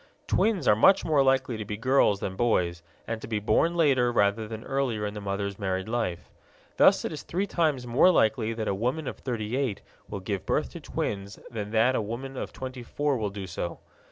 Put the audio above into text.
Twins are much more likely to be girls than boys, and to be born later rather than earlier in the mother's married life. Thus it is three times more likely that a woman of thirty eight will give birth to twins than that a woman of twenty four will do so.